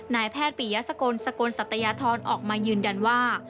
นายแพทย์ปียสกลสกลสัตยธรออกมายืนยันว่า